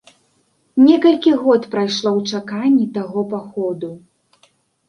Некалькі год прайшло ў чаканні таго паходу.